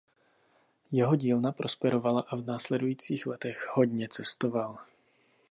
Jeho dílna prosperovala a v následujících letech hodně cestoval.